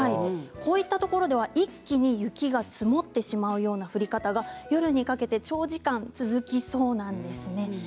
こういうところでは一気に雪が積もってしまうような降り方が夜にかけて長時間続きそうなんですね。